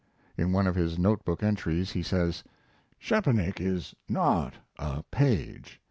In one of his note book entries he says: Szczepanik is not a Paige.